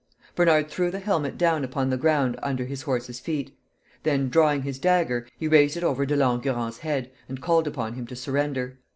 Bernard threw the helmet down upon the ground under his horse's feet. Then drawing his dagger, he raised it over De Langurant's head, and called upon him to surrender.